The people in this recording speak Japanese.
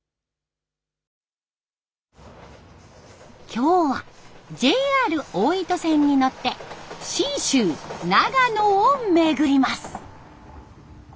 今日はＪＲ大糸線に乗って信州・長野を巡ります。